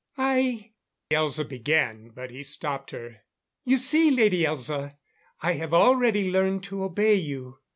"I " Elza began, but he stopped her. "You see, Lady Elza, I have already learned to obey you."